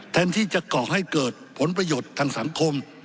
แทนที่จะก่อให้เกิดผลประโยชน์ทางสังคม